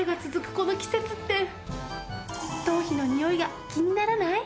この季節って頭皮のニオイが気にならない？